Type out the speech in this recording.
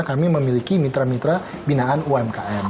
kami memiliki mitra mitra binaan umkm